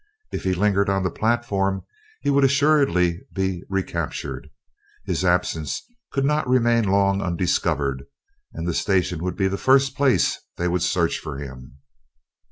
If he lingered on the platform he would assuredly be recaptured. His absence could not remain long undiscovered and the station would be the first place they would search for him.